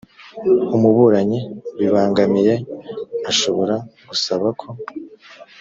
umuburanyi bibangamiye ashobora gusaba ko